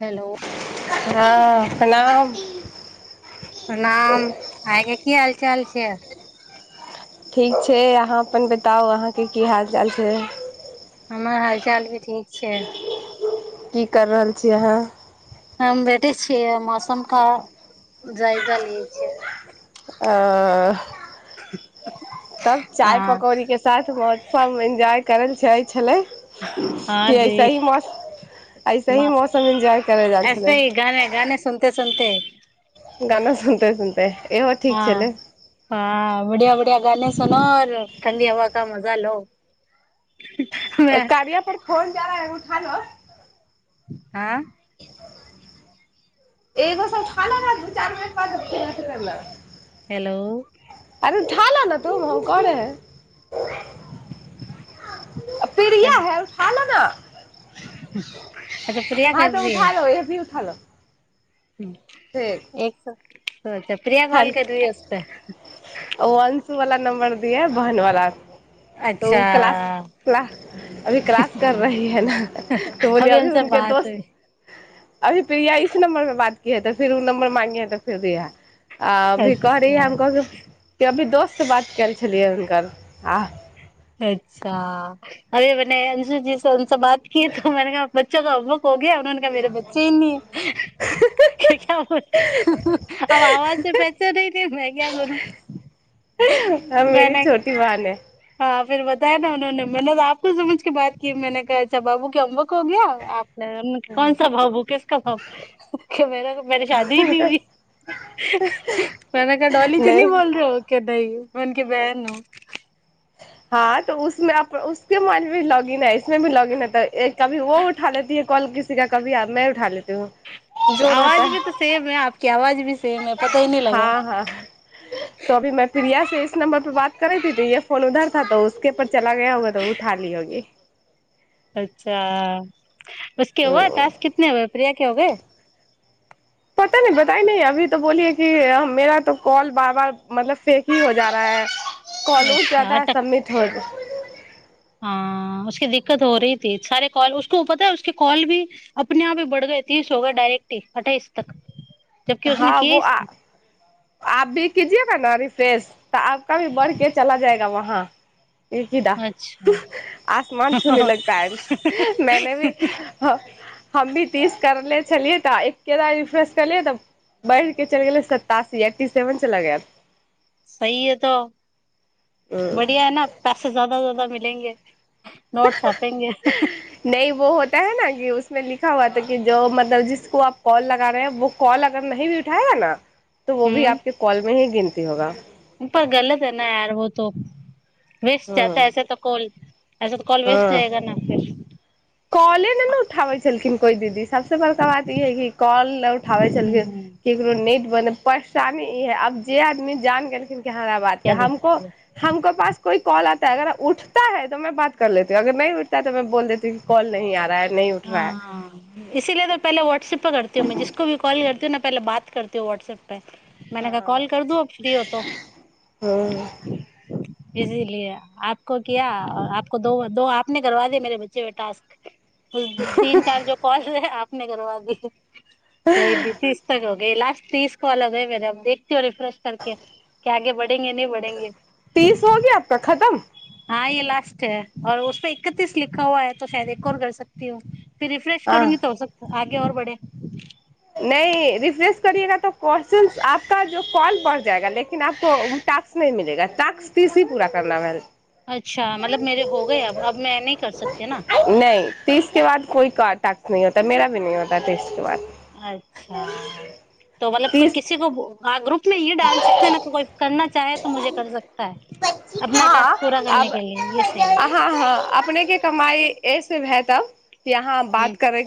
Hello हँ प्रणाम। प्रणाम। अहां के की हाल चाल छै? ठीक छै, अहाँ अपन बताउ? अहाँके की हाल चाल छै? हमर हालचाल भी ठीक छै। की कर रहल छी अहाँ? हम बेैठे छियै मौसम का जायजा लियै छियै। ओ- तब चाय हँ पकौड़ी के साथ मतसम एन्जॉय करल जा छलै हँ कि जी ऐसे ही मौस- ऐसे ही मस्त मौसम एन्जॉय करय लय आयल ऐसे छलै। ही गाने गाने सुनते सुनते गाना सुनते- सुनते इहो ठीक हँ छलै हँ बढ़िया बढ़िया गाने सुनो और ठण्डी हवा का मजा लो ए कारिया पर फोन जा रहा है उठा लो। आँ- एगो स खा- [unintelligible] हेलो। अरे उठाऽ लो न तुम हम कह रहे हैं। पीरिया हेलो, है उठा लो न तुम। अच्छा प्रिया हां कर तो रही उठा लो ऐ भी उठालो। हूं- [unintelligible] एक स-अच्छा प्रिया मल्लिक के दोस्त ओ अंशु वाला नम्बर दिएहें बहनवाला तोऽ ओ अच्छा क्लास- क्लास- अभी क्लास कर रही है न तो बोली अभी उनसे उनके बात दोस्त हुई अभी प्रिया इस नंबर पे बात की है तो फिर ओ नंबर मांगी है तो फिर दिहै। आ अभी कह रही अच्छा हम कह क अभी दोस्त से बात कल छलियै हुनकर आ। अच्छा। अरे मने अंशु जी से उनसे बात की तो मैनें कहा बच्चो का बुक हो गया उन्होंने कहा मेरे बच्चे ही नहीं हैं क्या -क्या- [unintelligible] अब आवाज से पहचे नहीं [unintelligible] मै क्या करुं? वह मेरी छोटी बहन है। हँ फिर बताया उन्होंने मैने आपको समझ के बात किया मैंने कहा अच्छा बाबू होमवर्क हो गया? आप मैने कौन सा भाबू किसका भाबू मेरा तो मेरी शादी ही नी हुई। मैने कहा डोलीजी नहीं नहि बोल रहे हो? कनही मैं उनकी बहन हूं। हँ, तो उसमे आप- उसके मोबाइल मे भी लॉग इन है इसमे भी लॉग इन है तऽ- ए- कभी वो उठा लेती है कॉल किसीका कभी मैं उठा लेती हूं। आवाज भी तोऽ सेम है आपकी आवाज भी सेम है पता ही नहि लगा। आहा - त अभी मैं प्रिया से इस नं परे बात करे भी थी यस फोन उधर था तो उसके पर चला गया होगा तो, उठा ली होगी। अच्छा। उसके हुए टास्क कितने हो गए प्रिया के हो गए? पता ही न बतायी नही अभी तो बोली है कि मेरा तो कॉल बार- बार मतलब फेक ही हो जा रहा है। कॉली अच्छा जादा सबमिट होत हँ, उसके दिक्कत हो रही थी सारे कॉल उसको पता है उसका कॉल भी अपने आप ही बढ़ गए तीस हो गए डायरेक्टही अठइस तक जबकि उसने हाँ वो इकीस आ आप भी कीजिएगा न रिफ्रेश तऽ आपका भी बढ़के चला जाएगा वहाँ [unintelligible] ह अच्छा हम भी तीस करनेे छलियै तऽ एक के रिफ्रेश करलियै तऽ बढ़ के चल गेलै सत्तासी एटी सेवन चला गया। [unintelligible] [unintelligible] [unintelligible] हम्म [unintelligible] [unintelligible] हँ [unintelligible] काले नहि ने उठाबै छलखिन कोइ दीदी सबसँ बड़का बात ई है कि कल नहि उठाबै छलखिन। हम्म ककरो नेट बंद है परेशानी ई है आब जे आदमी जान गेलखिन कि हमरा बातके क्या दिक्कत हमको है [unintelligible] नहीं आ रहा है नहीं उठ रहा है [unintelligible] [unintelligible] [unintelligible] हँ। [unintelligible] [unintelligible] [unintelligible] [unintelligible] [unintelligible] [unintelligible] [unintelligible] [unintelligible] [unintelligible] है [unintelligible] [unintelligible] तीस [unintelligible] [unintelligible] हँ अब [unintelligible] हँ हँ अपने के कमाई ऐस भेय तब यहाँ बात हम्म करे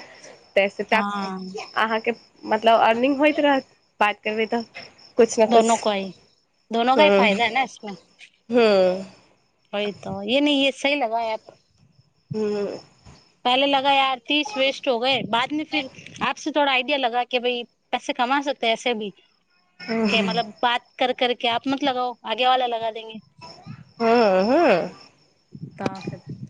[unintelligible] तऽसँ हाँ टास्क अहाँके मतलब अर्निंग होइत रहत बात करबै तऽ। कुछ ने कुछ दोनों का ही दोनों का हू ही फायदा है ना इसमें हू। [unintelligible] हू। [unintelligible] [unintelligible] [unintelligible] हँ हँ। [unintelligible]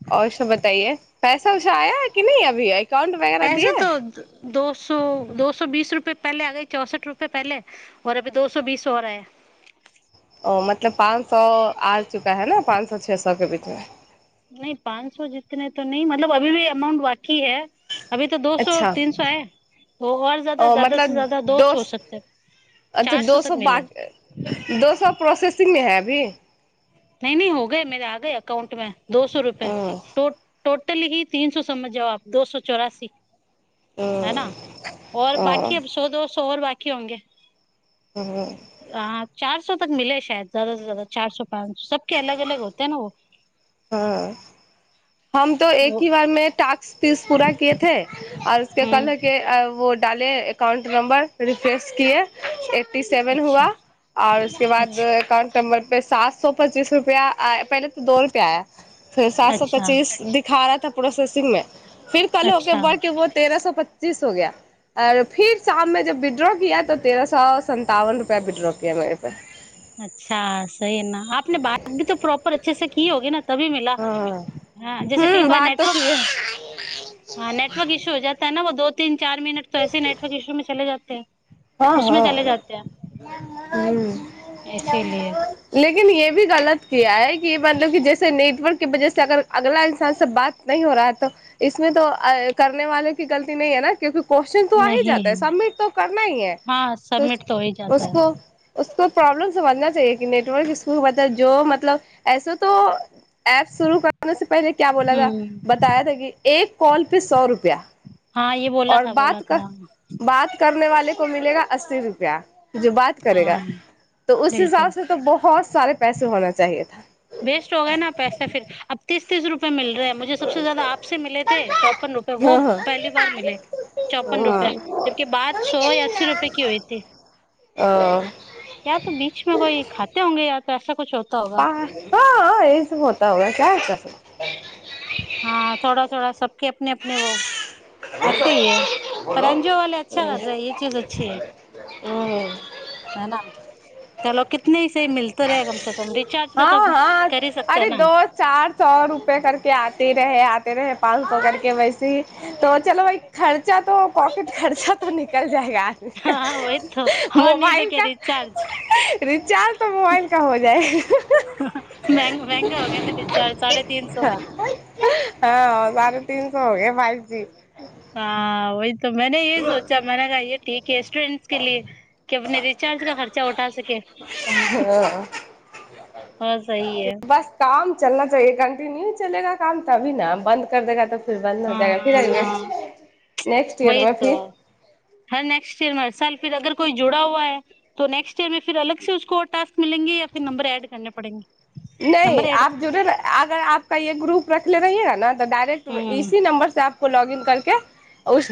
[unintelligible] [unintelligible] [unintelligible] [unintelligible] ओ मतलब पाँच सए आ चुका है ने। पाँच सए छओ सए के बीचमे। नहि पाँच सए जितने तो न मतलब अभी भी अमाउंट बाकी है। अभी तो दो सो अच्छा तीन सो हय आर जादा ओ जदा से मतलब जाददा दो सए हो सकत ह। [unintelligible] अच्छा दो सए ब दो सए प्रोसेसिंग मे है अभी। [unintelligible] नहि नहि हो गए मेे आगए अकाउंट में दो सए रुपए। ओ [unintelligible] ल ही तीन सो समझ जाउ दो सए चौरासी ओ है। न और ओ बकी [unintelligible] सो दो सएओर बकी होऔंगे [unintelligible] ह। ह चार सए तक मिले शायद ज्यदा से जदा चार सए पाँच सए सबके अलग अलग होतेै न व। [unintelligible] हँ हम तो एक वो ही बार मे ास्क पीस पूरा कए। [unintelligible] े आर उसके हम्म कलके व डाले एककाउंट नम्बर रिफ्रेश किए। [unintelligible] एट्टी सेवन हुआ अच्छा आओर उसके बाद अच्छा कन [unintelligible] एकाउंट नंबर पे सात सै पच्चीस रुपआ पहिले त सै रुपआ आय फेर सात सए [unintelligible] अच्छा दिखा रहा था प्रोसेसिंग में फिर कल होके अच्छा बढ़ के वो तेरह सए पच्चीस हो गया [unintelligible] आ फिर शाममे जब विड्रॉ किया तऽ तेरह सै सन्तावन रुपआ विडो‌‌ मेर पास [unintelligible] अच्छा सही न आपने बात भी त प्रॉपर अच्छे से की होगी न [unintelligible] तभी मिला हाँ जैसे कई ह बार बात तो की नेटवर्क है [unintelligible] हँ नेटवर्क इशू हो जाता ह न व दो तीन चार मिनटो ऐसे नेटवर्क इशू मे चले जाते है [unintelligible] हँ हँ हुं। इसीलिए लेकिन ये भी गलत किया है कि मतलब कि जैसे नेटवर्क के वजह से अगर अगला इन्सान से बात [unintelligible] नहि हो रहा है तो इसमे तो अगले वालो की गलती नहि है न कि [unintelligible] क्वेश्चन तो आ ही जाता है सबमिट त करना ही है हाँ त सबमिट तो हो ही जाता है उसको [unintelligible] उसको प्रॉब्लम से बढ़ना चाहिए कि नेटवर्क इसकू मतलब जो मतलब [unintelligible] ऐसे तो [unintelligible] ऐप शुरू करने से पहिले क्या बोलाथा हम्म बताया कि एक कॉल पे सौ रुपआ [unintelligible] हँ ई [unintelligible] और बात बात करने वाले को मिलेगा अस्सी रुपआ [unintelligible] जो बात करेगा हाँ तो उस हिसाब बिल्कुल से तो बहुत सारे पैसे होना चाहिए थ [unintelligible] वेस्ट हो गा न ने पैसा फर अब तीस तीस रूप [unintelligible] मिल रहेै मुझे सबसँ ज जायदा आप से मिलेथे चौपन रुपए व हँ हँ पहली [unintelligible] बार मिले चौपन रुपआ जबकि बाद सौ अस्सी रुपए की हुइ थी [unintelligible] आ। या त बीच में कोई खाते होंगे या त [unintelligible] पैसे कु छौत [unintelligible] प हँय सब होता होगा क ह क [unintelligible] हँ थोड़ा थोड़ा सबके अपने अपने वो ऐसे ही है परञजु [unintelligible] छाले अच्छा कर रहै [unintelligible] ओ। ह न चलो कितने ह से मिलते रहै कम से [unintelligible] त रिचार्ज क हाँ तऽ हाँ करी सकतै अरे ने दो [unintelligible] चार सए रुपये करके आते रहे आते रहे पाँच सौ करके वैसे [unintelligible] तो चलो भइ खर्चा तो पॉकेट खर्चा तो निकल जाएगा यार हाँ वही तो [unintelligible] और नहीं तो मोबाइल क्या का रिचार्ज रिचार्ज तऽ मोबाइल का हो जाए [unintelligible] मैं [unintelligible] हँ [unintelligible] [unintelligible] [unintelligible] [unintelligible] हाँ [unintelligible] [unintelligible] हाँ हाँ हाँ वही तो [unintelligible] [unintelligible] [unintelligible] नंबर ऐड [unintelligible] हम्म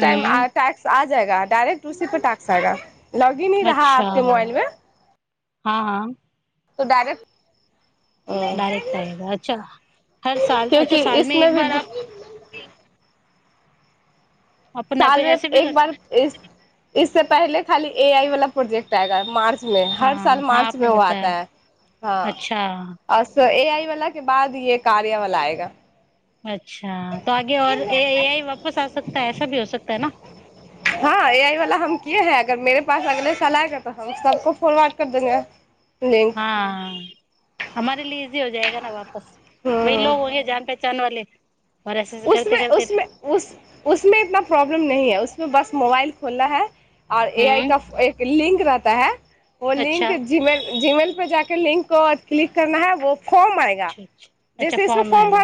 हम्म अच्छा [unintelligible] [unintelligible] [unintelligible] क्योंकि इसमें भी [unintelligible] अपन ऐप- ऐसे भी कर सक- [unintelligible] हाँ हाँ आपने बताया [unintelligible] अच्छा [unintelligible] [unintelligible] [unintelligible] [unintelligible] हम्म [unintelligible] ऐसे ऐसे करते करते [unintelligible] हम्म [unintelligible] अच्छा [unintelligible] अच्छा अच्छा अच्छा फॉर्म आएगा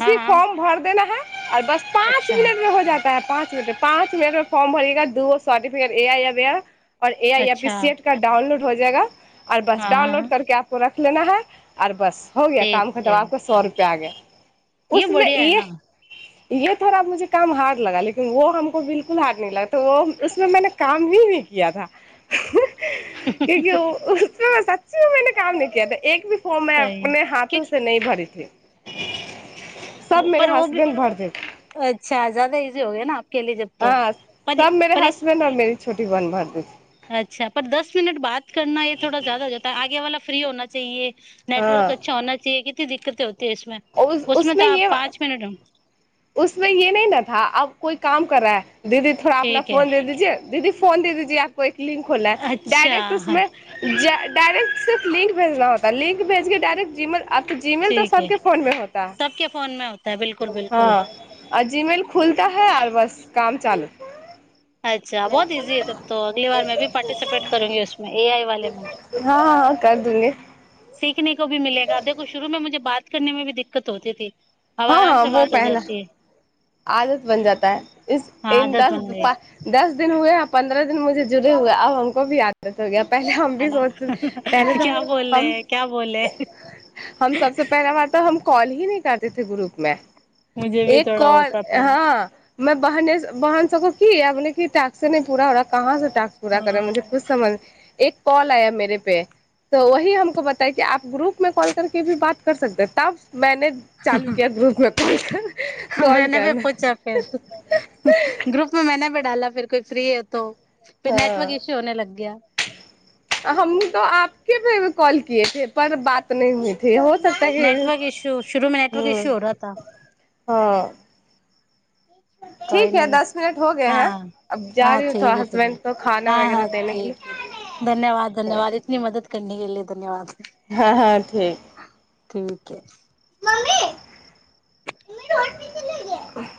हाँ हाँ अच्छा। [unintelligible] अच्छा हाँ [unintelligible] ठीक छै [unintelligible] ये बढ़िया [unintelligible] [inaudible] [unintelligible] [unintelligible] सही है क्योंकि [unintelligible] सब मेरे हस्बैंड भर देते [unintelligible] तो पर पर इस [unintelligible] [unintelligible] हाँ उस उसमें ये [unintelligible] [unintelligible] ठीक है [unintelligible] अच्छा हाँ [unintelligible] ठीक है [unintelligible] [unintelligible] [unintelligible] [unintelligible] हँ करर दनी। सीखने को भी मिलेगा देखो शुरूमे मुझे बात करने मे भी दिक्कत होती थी अब हँ आराम हँ, से वो बात हो पहला जाती है आदत बन जाता है इस हाँ इन आदत दस बन गई दस दिन हुए हैं आ पन्द्रह दिन मुझे जुड़े हूए अब हमको भी आ [unintelligible] पहिले हम है भी ना सोचते पहिले क्या त बोल रहे हम हैं क्या बोले हम सबसँ पहला बात त हम कॉल ही नहि करते थे ग्रुप मे मुझे भी एक थोड़ा कॉल होता था हँ मैं बहने बहन सबको की य बोल टाक्से नहि पूरा हो रह कहाँ से टस पूरा करे हाँ मुझे कुछ समझ एक कॉल आया मेेरे पे तो वही हमको बताया कि आ ग्रुप में कॉल करके भी बात कर सकते तब मैने चालू किया ग्रुपमे कॉल मैंने भी कर मैने भी डाला अग कोइ फ्री हो तो, फिर नेटवर्क हाँ इश्यू होने लगती हैं हम तो आपके पे कॉल किए थे पर बात न पर बात नहि हइे हो त त नेटवर्क इश्यू शुरू में नेटवर्क ह इश्यू हो रहा था ओ। कोइ नी दस मिनट हो गए हँ। हैं अब जा हँ, रही हूँ थोड़ा ठीक हइ ठे हसबैंड को खाना हँ हँ वगैरह देने के ठीक हइ लिए धन्यवाद धन्यवाद। मेरी मदत करने के लिए धन्यवाद। हँ हँ ठीक। ठीक ठीक। [unintelligible] मम्मी मम्मी रोड चलेंगे